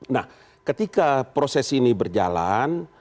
nah ketika proses ini berjalan